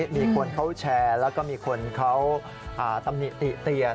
มีคนเขาแชร์แล้วก็มีคนเขาตำหนิติเตียน